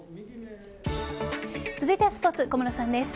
続いてはスポーツ小室さんです。